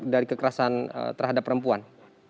dari kekerasan terhadap perempuan